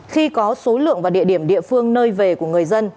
khi có số lượng và địa điểm địa phương nơi về của người dân